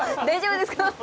大丈夫ですか？